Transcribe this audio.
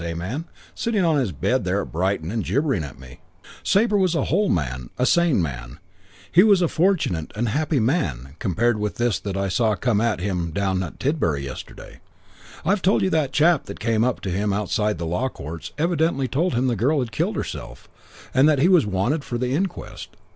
Eh, man, sitting on his bed there at Brighton and gibbering at me, Sabre was a whole man, a sane man; he was a fortunate and happy man, compared with this that I saw come at him down at Tidborough yesterday. "I've told you that chap that came up to him outside the Law Courts evidently told him the girl had killed herself and that he was wanted for the inquest.